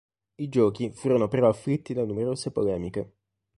I giochi furono però afflitti da numerose polemiche.